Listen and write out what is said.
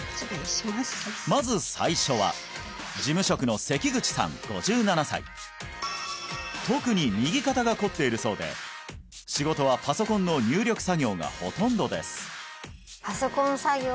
まず最初は事務職のセキグチさん５７歳特に右肩がこっているそうで仕事はパソコンの入力作業がほとんどです